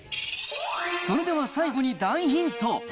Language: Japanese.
それでは最後に大ヒント。